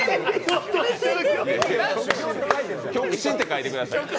極真って書いてください。